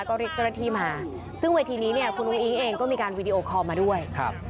ก็เรียกเจ้าหน้าที่มาหาซึ่งเวทีนี้คุณอู๋อิงเองก็มีการวิดีโอคอลมาด้วย